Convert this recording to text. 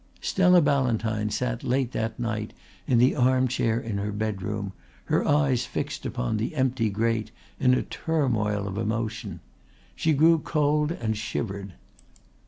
Stella Ballantyne sat late that night in the armchair in her bedroom, her eyes fixed upon the empty grate, in a turmoil of emotion. She grew cold and shivered.